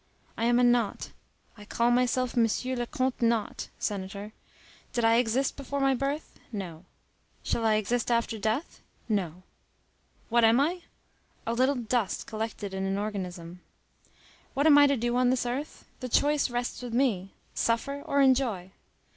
I am a nought. I call myself Monsieur le Comte Nought, senator. Did I exist before my birth? No. Shall I exist after death? No. What am I? A little dust collected in an organism. What am I to do on this earth? The choice rests with me: suffer or enjoy.